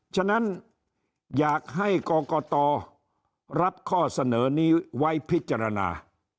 ฉะนั้นอยากให้กรกตรับข้อเสนอนี้ไว้พิจารณา